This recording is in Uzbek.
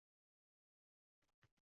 Onalar har doim kutishadi